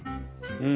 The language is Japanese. うん。